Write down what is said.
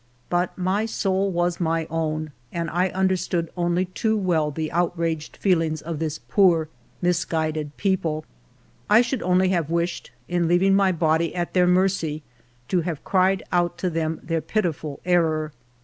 But my soul was my own, and I understood only too well the outraged feelings of this poor misguided people. I should only have wished, in leaving my body at their mercy, to have cried out to them their pitiful error.